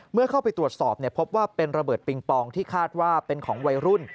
เมื่อเข้าไปตรวจสอบพบว่าเป็นระเบิดปิงปองที่คาดว่าเป็นของวัยรุ่น